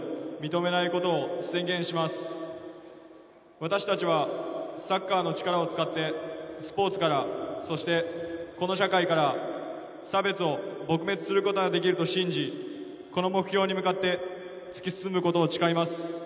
私達はサッカーの力を使って、スポーツから、そして、この社会から差別を撲滅することができると信じ、この目標に向かって突き進むことを誓います。